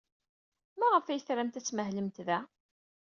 Maɣef ay tramt ad tmahlemt da?